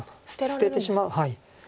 捨ててしまう。